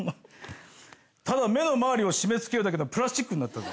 ただ目の周りを締めつけるだけのプラスチックになったぜ。